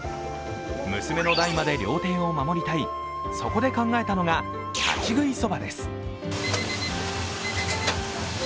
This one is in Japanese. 娘の代まで料亭を守りたい、そこで考えたのが立ち食いそばです。